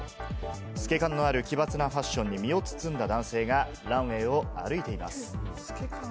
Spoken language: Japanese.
透け感のある奇抜なファッションに身を包んだ男性がランウェイを歩いています。